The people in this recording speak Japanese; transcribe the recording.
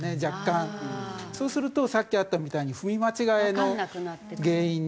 そうするとさっきあったみたいに踏み間違えの原因に。